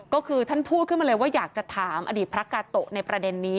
ก็คือท่านพูดขึ้นมาเลยว่าอยากจะถามอดีตพระกาโตะในประเด็นนี้